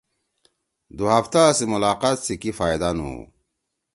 دُو ہفتا سی ملاقات سی کی فائدہ نہ ہُو